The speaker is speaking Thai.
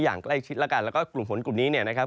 อย่างใกล้ชิดแล้วกันแล้วก็กลุ่มฝนกลุ่มนี้เนี่ยนะครับ